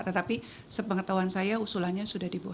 tetapi sepengetahuan saya usulannya sudah dibuat